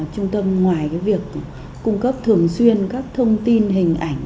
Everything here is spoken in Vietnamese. trung tâm ngoài việc cung cấp thường xuyên các thông tin hình ảnh